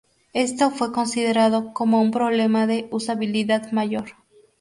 Esto fue considerado como un problema de usabilidad mayor.